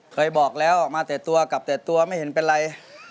เคยบอกแล้วมาแต่ตัวกลับแต่ตัวไม่เห็นเป็นไร